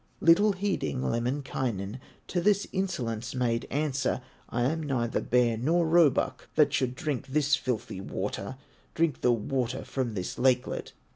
Little heeding, Lemminkainen To this insolence made answer: "I am neither bear nor roebuck, That should drink this filthy water, Drink the water of this lakelet."